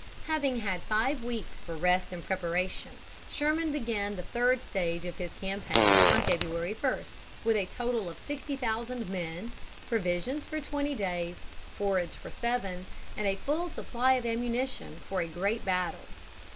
Having had five weeks for rest and preparation, Sherman began the third stage of his campaign on February 1, with a total of sixty thousand men, provisions for twenty days, forage for seven, and a full supply of ammunition for a great battle.